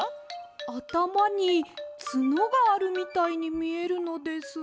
あたまにつのがあるみたいにみえるのですが。